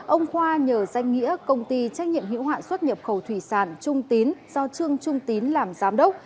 ông khoa nhờ danh nghĩa công ty trách nhiệm hữu hạn xuất nhập khẩu thủy sản trung tín do trương trung tín làm giám đốc